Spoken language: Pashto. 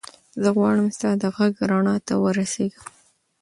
زه غواړم ستا د غږ رڼا ته ورسېږم.